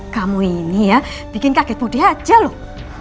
kamu ini ya bikin kaget budi aja loh